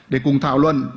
để cùng thảo luận